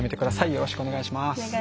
よろしくお願いします。